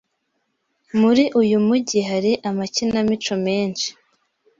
Muri uyu mujyi hari amakinamico menshi.